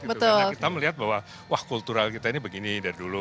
karena kita melihat bahwa kultural kita ini begini dari dulu